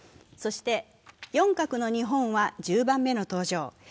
そして４画の日本は１０番目の登場。